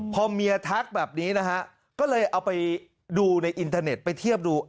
พอเมียทักแบบนี้นะฮะก็เลยเอาไปดูในอินเทอร์เน็ตไปเทียบดู